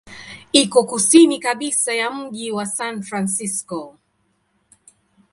Iko kusini kabisa ya mji wa San Francisco.